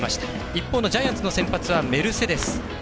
一方のジャイアンツの先発はメルセデス。